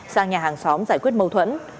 sang nhà hàng xóm giải quyết mâu thuẫn